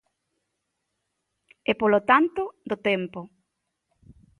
E, polo tanto, do tempo.